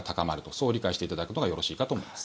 そう理解していただくのがよろしいかと思います。